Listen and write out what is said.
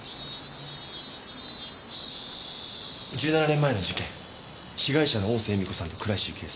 １７年前の事件被害者の大瀬恵美子さんと倉石雪絵さん。